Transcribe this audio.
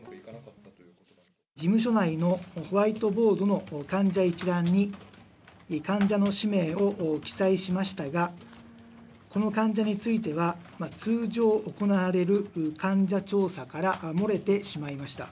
事務所内のホワイトボードの患者一覧に、患者の氏名を記載しましたが、この患者については、通常行われる患者調査から漏れてしまいました。